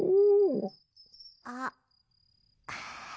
あっ。